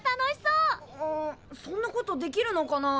うんそんなことできるのかな？